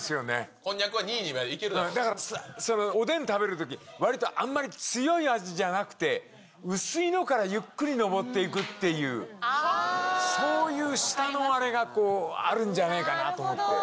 こんにゃくは２位にいけるだだから、おでん食べるとき、わりとあんまり強い味じゃなくて、薄いのからゆっくり上っていくっていう、そういう舌のあれがこう、あるんじゃねぇかなと思って。